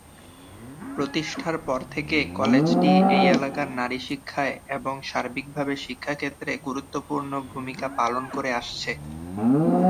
প্রতিষ্ঠার পর থেকে কলেজটি এই এলাকার নারী শিক্ষায় এবং সার্বিকভাবে শিক্ষাক্ষেত্রে গুরুত্বপূর্ণ ভূমিকা পালন করে আসছে।